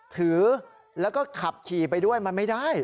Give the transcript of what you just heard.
ถือแล้วก็ขับขี่ไปด้วยมันไม่ได้